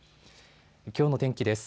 きょうの天気です。